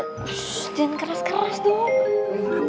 shhh jangan keras keras dong